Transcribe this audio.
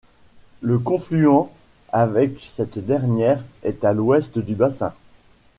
Le confluent avec cette dernière est à l'ouest du bassin.